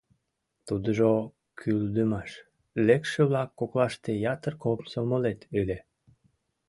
Тудыжо кӱлдымаш: лекше-влак коклаште ятыр комсомолет ыле.